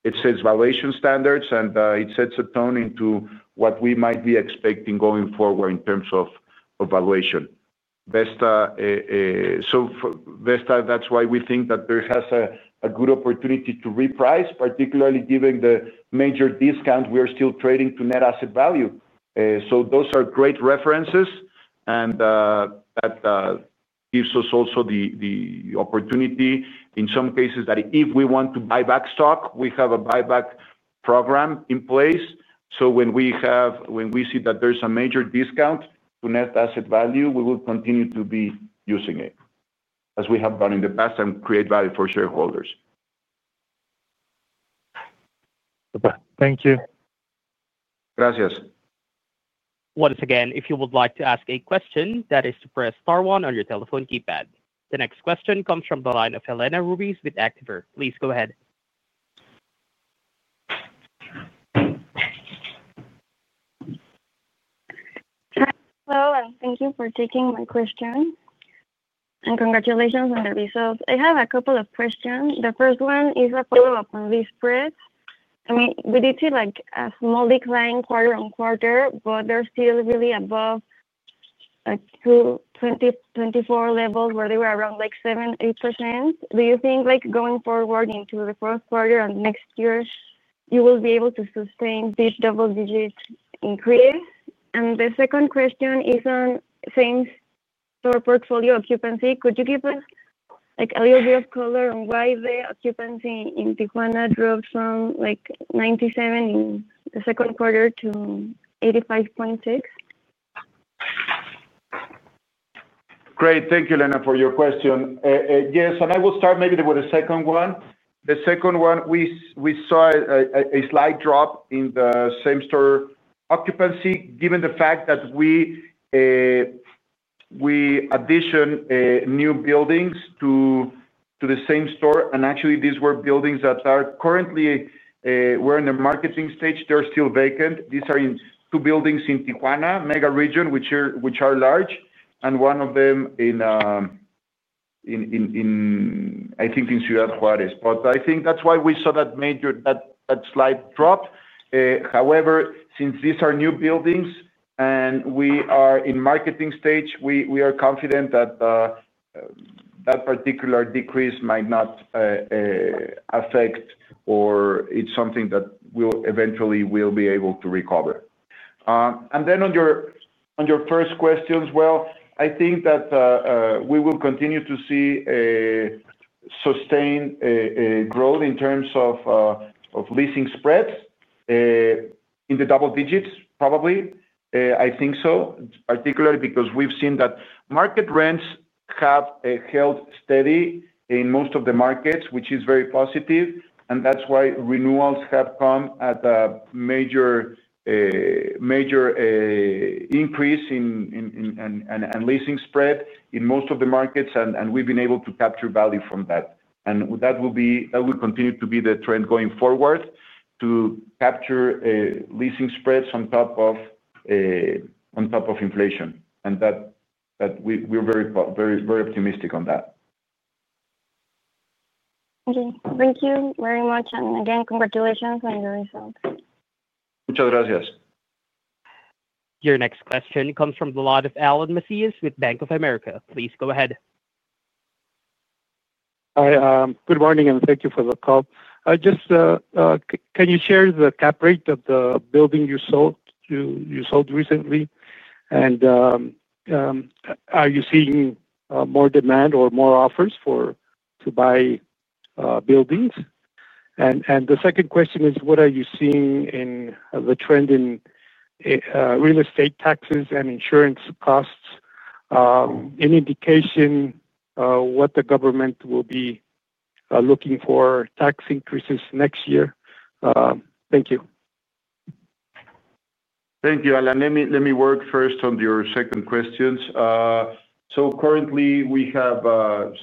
it sets valuation standards, and it sets a tone into what we might be expecting going forward in terms of valuation. Vesta, that's why we think that there has a good opportunity to reprice, particularly given the major discounts we are still trading to net asset value. Those are great references. That gives us also the opportunity, in some cases, that if we want to buy back stock, we have a buyback program in place. When we see that there's a major discount to net asset value, we will continue to be using it as we have done in the past and create value for shareholders. Thank you. Gracias. Once again, if you would like to ask a question, that is to press star one on your telephone keypad. The next question comes from the line of Helena Ruiz with Actinver. Please go ahead. Hello, and thank you for taking my question. Congratulations on the results. I have a couple of questions. The first one is a follow-up on these spreads. I mean, we did see a small decline quarter on quarter, but they're still really above 2024 levels where they were around 7, 8%. Do you think going forward into the fourth quarter of next year, you will be able to sustain this double-digit increase? The second question is on the same sort of portfolio occupancy. Could you give us a little bit of color on why the occupancy in Tijuana drove from 97 in the second quarter to 85.6%? Great. Thank you, Helena, for your question. Yes. I will start maybe with the second one. The second one, we saw a slight drop in the same-store occupancy given the fact that we additioned new buildings to the same store. Actually, these were buildings that are currently in the marketing stage. They're still vacant. These are in two buildings in Tijuana, mega region, which are large, and one of them in, I think, in Ciudad Juárez. I think that's why we saw that slight drop. However, since these are new buildings and we are in the marketing stage, we are confident that that particular decrease might not affect or it's something that we eventually will be able to recover. On your first question as well, I think that we will continue to see sustained growth in terms of leasing spreads in the double digits, probably. I think so, particularly because we've seen that market rents have held steady in most of the markets, which is very positive. That's why renewals have come at a major increase in leasing spread in most of the markets, and we've been able to capture value from that. That will continue to be the trend going forward to capture leasing spreads on top of inflation. We are very, very optimistic on that. Thank you very much. Again, congratulations on your results. Muchas gracias. Your next question comes from the line of Alan Macias with Bank of America. Please go ahead. Hi. Good morning, and thank you for the call. Can you share the cap rate of the building you sold recently? Are you seeing more demand or more offers to buy buildings? The second question is, what are you seeing in the trend in real estate taxes and insurance costs? Any indication of what the government will be looking for tax increases next year? Thank you. Thank you, Alan. Let me work first on your second question. Currently, we have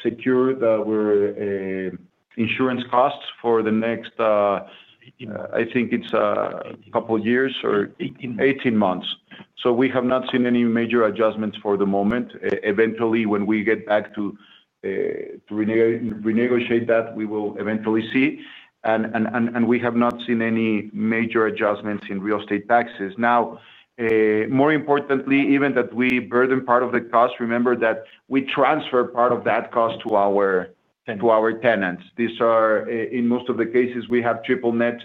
secured our insurance costs for the next, I think it's a couple of years or 18 months. We have not seen any major adjustments for the moment. Eventually, when we get back to renegotiate that, we will eventually see. We have not seen any major adjustments in real estate taxes. More importantly, even that we burden part of the cost, remember that we transfer part of that cost to our tenants. In most of the cases, we have triple net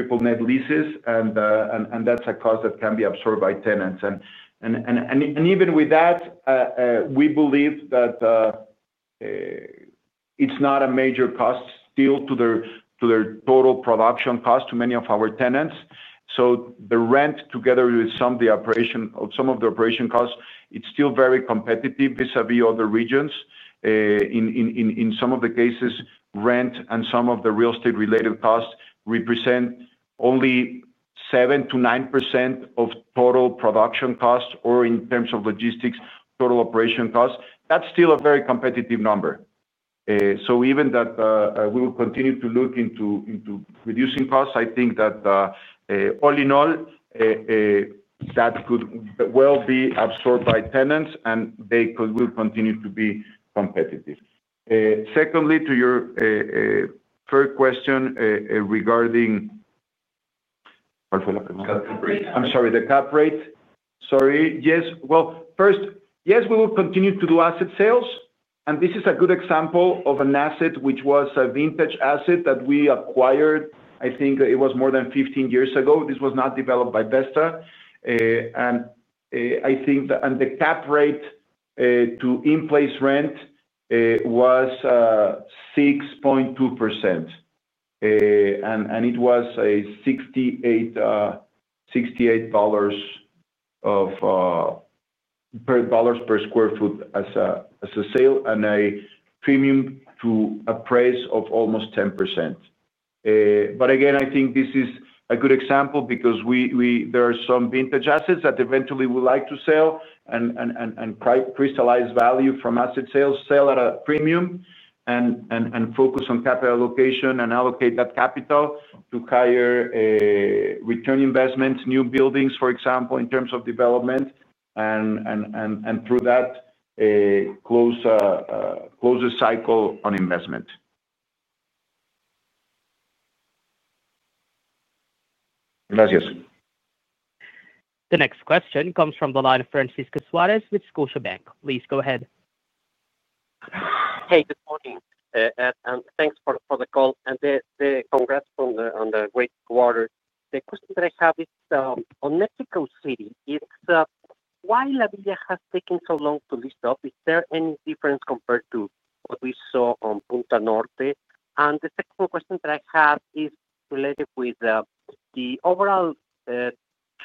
leases, and that's a cost that can be absorbed by tenants. Even with that, we believe that it's not a major cost still to their total production cost to many of our tenants. The rent, together with some of the operation costs, is still very competitive vis-à-vis other regions. In some of the cases, rent and some of the real estate-related costs represent only 7%-9% of total production costs or, in terms of logistics, total operation costs. That's still a very competitive number. Even that we will continue to look into reducing costs, I think that all in all, that could well be absorbed by tenants, and they could continue to be competitive. Secondly, to your third question regarding the cap rate. Yes, we will continue to do asset sales. This is a good example of an asset which was a vintage asset that we acquired. I think it was more than 15 years ago. This was not developed by Vesta. I think that the cap rate to in-place rent was 6.2%. It was $68 per sq ft as a sale and a premium to appraised value of almost 10%. Again, I think this is a good example because there are some vintage assets that eventually we would like to sell and crystallize value from asset sales, sell at a premium, and focus on capital allocation and allocate that capital to higher return investments, new buildings, for example, in terms of development, and through that close a cycle on investment. Gracias. The next question comes from the line of Francisco Suarez with Scotiabank. Please go ahead. Good morning, and thanks for the call, and the congrats on the great quarter. The question that I have is on Mexico City. It's why La Villa has taken so long to lift up? Is there any difference compared to what we saw on Punta Norte? The second question that I have is related with the overall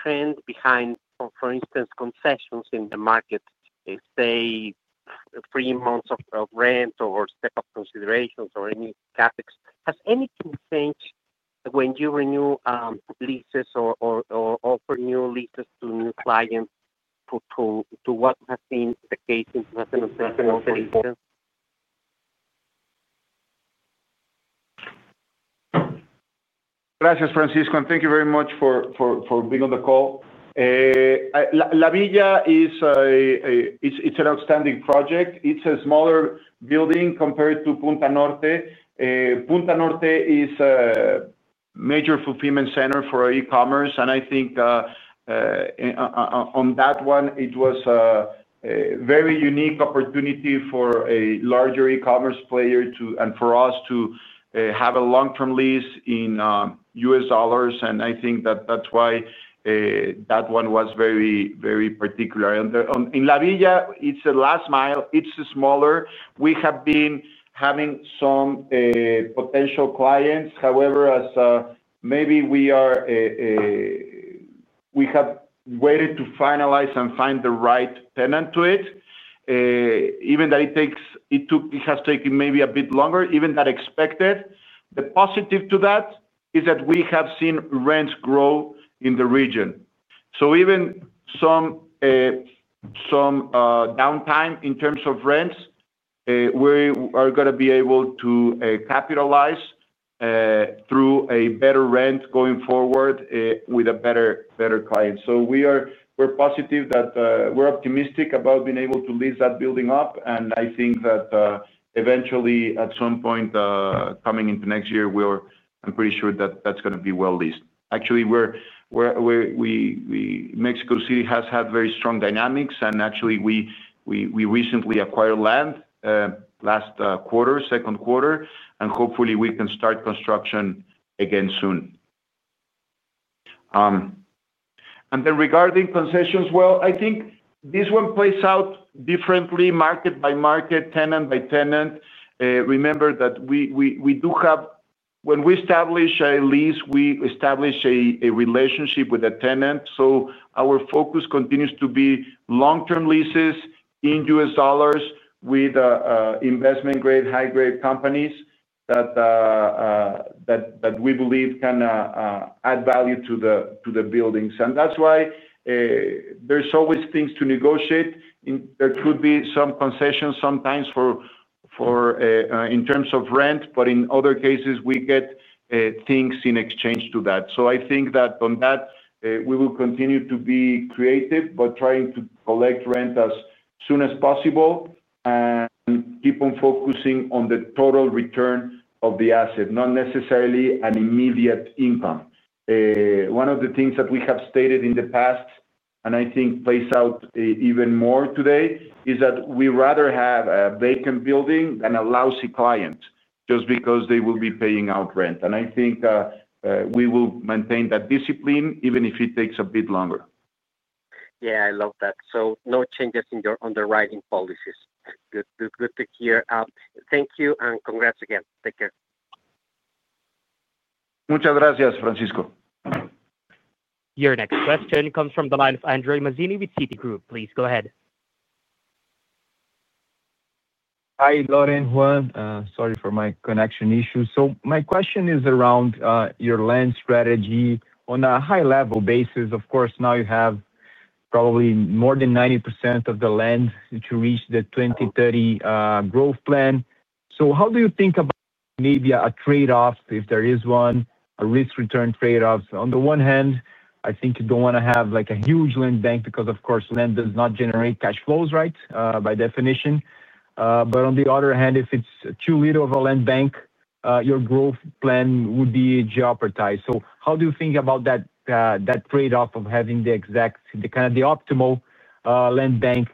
trend behind, for instance, concessions in the market. If they say three months of rent or step-up considerations or any CapEx, has anything changed when you renew leases or offer new leases to new clients to what has been the case in Punta Norte? Gracias, Francisco, and thank you very much for being on the call. La Villa is an outstanding project. It's a smaller building compared to Punta Norte. Punta Norte is a major fulfillment center for our e-commerce. I think on that one, it was a very unique opportunity for a larger e-commerce player and for us to have a long-term lease in U.S. dollars. I think that that's why that one was very, very particular. In La Villa, it's a last mile. It's smaller. We have been having some potential clients. However, as maybe we have waited to finalize and find the right tenant to it, even that it has taken maybe a bit longer, even than expected. The positive to that is that we have seen rents grow in the region. Even some downtime in terms of rents, we are going to be able to capitalize through a better rent going forward with a better client. We're positive that we're optimistic about being able to lease that building up. I think that eventually, at some point coming into next year, I'm pretty sure that that's going to be well leased. Actually, Mexico City has had very strong dynamics. Actually, we recently acquired land last quarter, second quarter. Hopefully, we can start construction again soon. Regarding concessions, I think this one plays out differently market by market, tenant by tenant. Remember that we do have, when we establish a lease, we establish a relationship with a tenant. Our focus continues to be long-term leases in US dollars with investment-grade, high-grade companies that we believe can add value to the buildings. That's why there's always things to negotiate. There could be some concessions sometimes in terms of rent, but in other cases, we get things in exchange to that. I think that on that, we will continue to be creative, but trying to collect rent as soon as possible and keep on focusing on the total return of the asset, not necessarily an immediate income. One of the things that we have stated in the past, and I think plays out even more today, is that we rather have a vacant building than a lousy client just because they will be paying out rent. I think we will maintain that discipline even if it takes a bit longer. Yeah, I love that. No changes in your underwriting policies. Good to hear. Thank you and congrats again. Take care. Muchas gracias, Francisco. Your next question comes from the line of Andrea Mazini with Citigroup. Please go ahead. Hi, Loren, Juan. Sorry for my connection issue. My question is around your land strategy on a high-level basis. Of course, now you have probably more than 90% of the land to reach the 2030 growth plan. How do you think about maybe a trade-off, if there is one, a risk-return trade-off? On the one hand, I think you don't want to have a huge land bank because, of course, land does not generate cash flows, by definition. On the other hand, if it's too little of a land bank, your growth plan would be jeopardized. How do you think about that trade-off of having the exact, the kind of the optimal land bank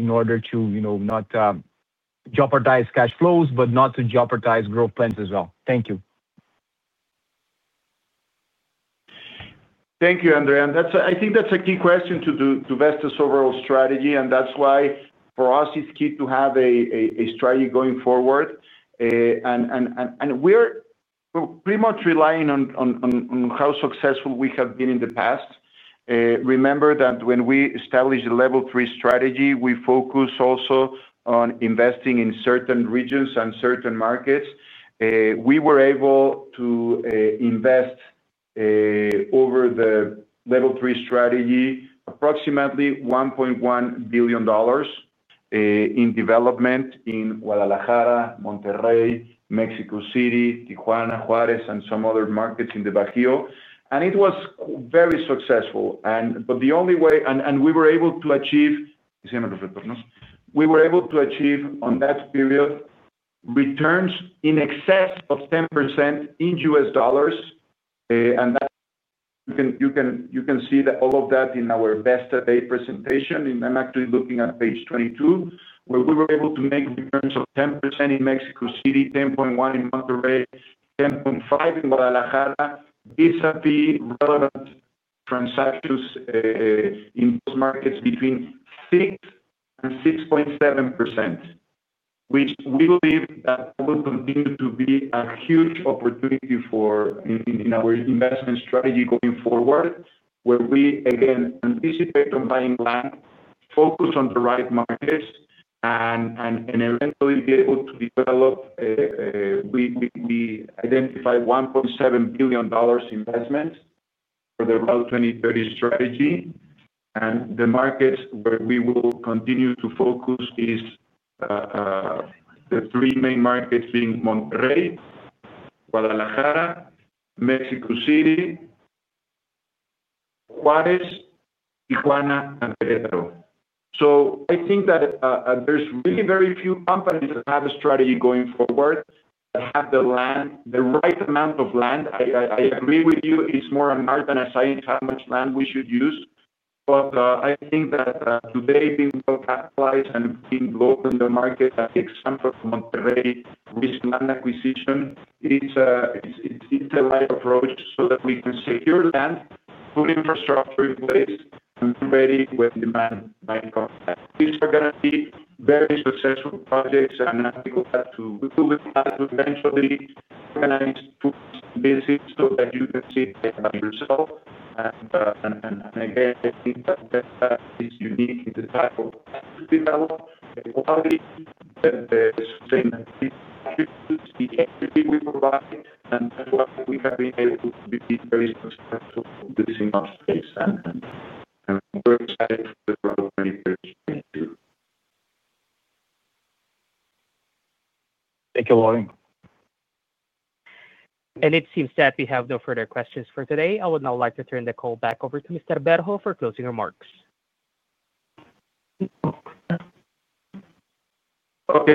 in order to not jeopardize cash flows, but not to jeopardize growth plans as well? Thank you. Thank you, Andrea. I think that's a key question to Vesta's overall strategy. That's why for us, it's key to have a strategy going forward. We're pretty much relying on how successful we have been in the past. Remember that when we established the level three strategy, we focused also on investing in certain regions and certain markets. We were able to invest over the level three strategy approximately $1.1 billion in development in Guadalajara, Monterrey, Mexico City, Tijuana, Ciudad Juárez, and some other markets in the Bajío. It was very successful. We were able to achieve on that period returns in excess of 10% in U.S. dollars. You can see all of that in our Vesta Bay presentation. I'm actually looking at page 22, where we were able to make returns of 10% in Mexico City, 10.1% in Monterrey, 10.5% in Guadalajara, vis-à-vis relevant transactions in those markets between 6% and 6.7%, which we believe will continue to be a huge opportunity for our investment strategy going forward. We again anticipate on buying land, focus on the right markets, and eventually be able to develop. We identified $1.7 billion investments for the Route 2030 growth strategy. The markets where we will continue to focus are the three main markets. Monterrey, Guadalajara, Mexico City, Ciudad Juárez, and Iguana, and Peru. I think that there's really very few companies that have a strategy going forward that have the land, the right amount of land. I agree with you. It's more a marketing side how much land we should use. I think that today, being well-categorized and being local in the market, a big sample of Monterrey risk land acquisition is the right approach so that we can secure land, put infrastructure in place, and be ready when demand might come back. These are going to be very successful projects. I'm going to do the class to eventually organize two businesses so that you can see it yourself. I think that that is unique. It's a platform to develop the quality, the sustainability, the equity we provide, and that's why we have been able to be very successful in this industry. We're excited for the product manufacturing. Thank you. Thank you, Lorenzo. It seems that we have no further questions for today. I would now like to turn the call back over to Mr. Berho for closing remarks. Okay.